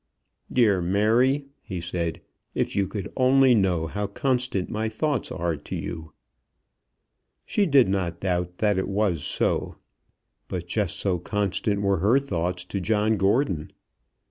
"Dear Mary," he said, "if you could only know how constant my thoughts are to you." She did not doubt that it was so; but just so constant were her thoughts to John Gordon.